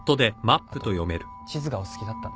あと地図がお好きだったんで。